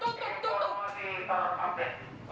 elah pemerintah tutup tutup